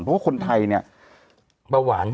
เพราะว่าคนไทยเนี่ยเบาหวาน